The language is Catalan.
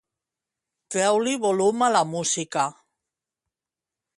Treu-li volum a la música.